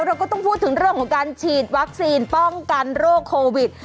เราก็ต้องพูดถึงเรื่องของการฉีดวัคซีนป้องกันโรคโควิด